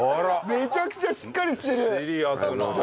めちゃくちゃしっかりしてる。